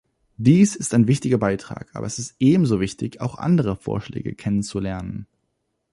Dies ist ein wichtiger Beitrag, aber es ist ebenso wichtig, auch andere Vorschläge kennenzulernen.